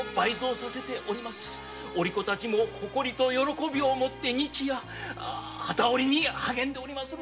機織り娘たちも誇りと喜びを持って日夜励んでおります。